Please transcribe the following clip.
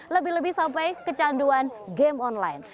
lebih lebih sampai kecanduan game online